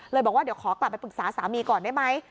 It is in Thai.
บอกว่าเดี๋ยวขอกลับไปปรึกษาสามีก่อนได้ไหม